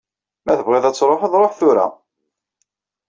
Ma tebɣiḍ ad tṛuḥeḍ, ṛuḥ tura!